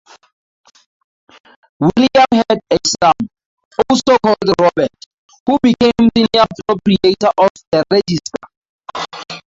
William had a son, also called Robert, who became senior proprietor of "The Register".